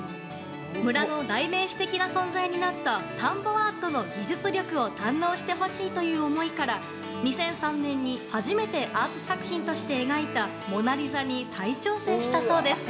村の代名詞的な存在になった田んぼアートの技術力を堪能してほしいという思いから２００３年に初めてアート作品として描いた「モナリザ」に再挑戦したそうです。